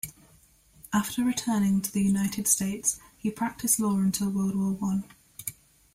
After returning to the United States, he practised law until World War One.